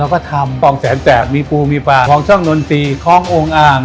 ของแสนแจดมีปูมีปลาของช่องโน้นตีขององค์อ่าง